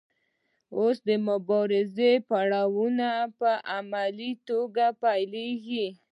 اوس د مبارزې پړاوونه په عملي توګه پیلیږي.